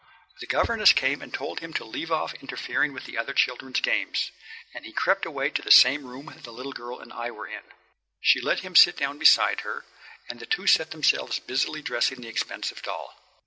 The governess came and told him to leave off interfering with the other children's games, and he crept away to the same room the little girl and I were in. She let him sit down beside her, and the two set themselves busily dressing the expensive doll.